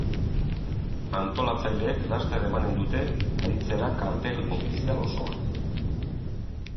Antolatzaileek laster emanen dute aditzera kartel ofizial osoa.